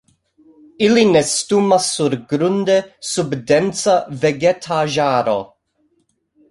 Ili nestumas surgrunde sub densa vegetaĵaro.